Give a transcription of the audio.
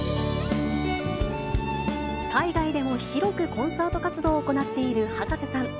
海外でも広くコンサート活動を行っている葉加瀬さん。